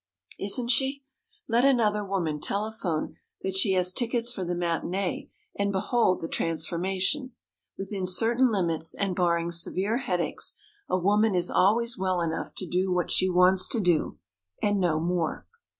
Isn't she? Let another woman telephone that she has tickets for the matinée, and behold the transformation! Within certain limits and barring severe headaches, a woman is always well enough to do what she wants to do and no more.